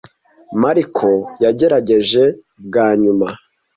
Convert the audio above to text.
Mariko yagerageje bwa nyuma.